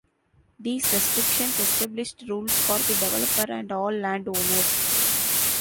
These restrictions established rules for the developer and all land owners.